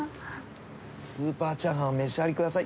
スーパーチャーハンお召し上がりください。